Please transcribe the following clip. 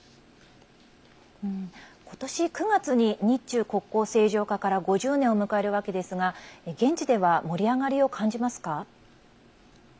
ことし９月に日中国交正常化から５０年を迎えるわけですが現地では盛り上がりを感じますか？